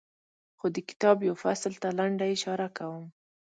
خو د کتاب یوه فصل ته لنډه اشاره کوم.